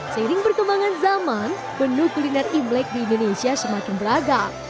seiring perkembangan zaman menu kuliner imlek di indonesia semakin beragam